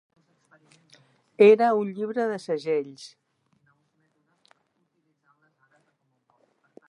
Era un llibre de segells.